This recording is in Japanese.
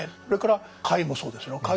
それから貝もそうですよ。